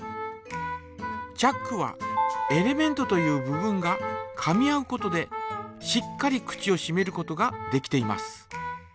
チャックはエレメントという部分がかみ合うことでしっかり口をしめることができています。